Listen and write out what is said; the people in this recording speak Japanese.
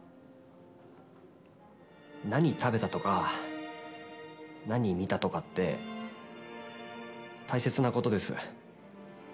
何食べたとか、何見たとかって大切なことです。